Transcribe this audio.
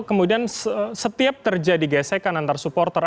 kemudian setiap terjadi gesekan antar supporter